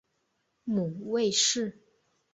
母魏氏。